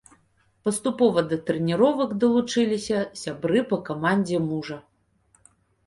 Паступова да трэніровак далучыліся сябры па камандзе мужа.